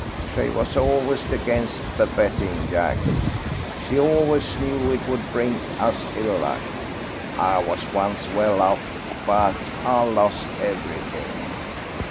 "She was always against the betting, Jack; she always knew it would bring us ill luck. I was once well off, but I lost everything.